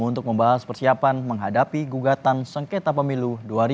untuk membahas persiapan menghadapi gugatan sengketa pemilu dua ribu dua puluh